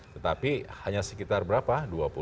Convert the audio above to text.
tetapi hanya sekitar berapa